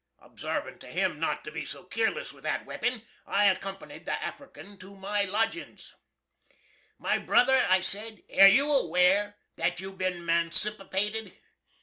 Obsravin' to him not to be so keerless with that wepin, I accompanid the African to my lodgins. "My brother," I sed, "air you aware that you've bin mancipated?